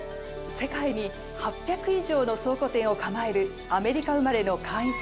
世界に８００以上の倉庫店を構えるアメリカ生まれの会員制